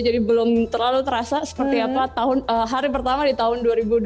jadi belum terlalu terasa seperti apa hari pertama di tahun dua ribu dua puluh satu